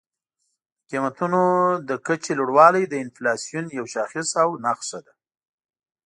د قیمتونو د کچې لوړوالی د انفلاسیون یو شاخص او نښه ده.